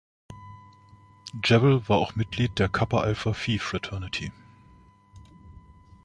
Jewell war auch Mitglied der Kappa Alpha Phi Fraternity.